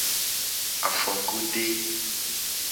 Afogode.